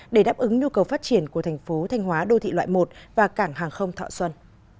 để đáp ứng nhu cầu phát triển của thành phố thanh hóa đô thị loại một và cảng hàng không thọ xuân